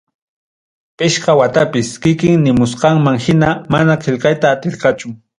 Pichqa watapis, kikin nimusqanman hina, mana qillqayta atirqachu.